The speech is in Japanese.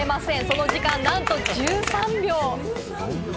その時間なんと１３秒。